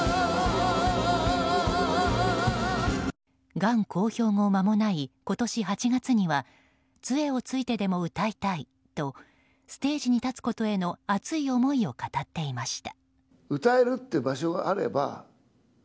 がん公表後まもない今年８月には杖をついてでも歌いたいとステージに立つことへの熱い思いを語っていました。